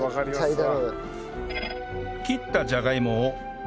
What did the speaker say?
はい。